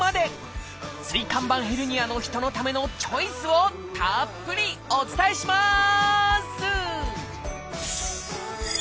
椎間板ヘルニアの人のためのチョイスをたっぷりお伝えします！